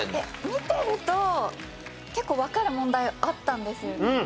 見てると結構わかる問題あったんですよね。